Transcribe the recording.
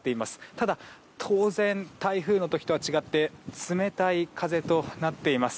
ただ、当然台風の時とは違って冷たい風となっています。